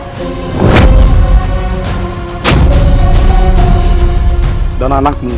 kau akan mendapatkan nama yang besar